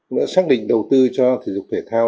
nó xác định đầu tư cho thể dục thể thao